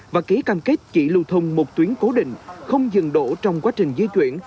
và ký cam kết chỉ lưu thông một tuyến cố định không dừng đổ trong quá trình di chuyển